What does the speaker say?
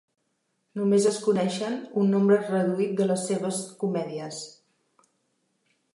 Només es coneixen un nombre reduït de les seves comèdies.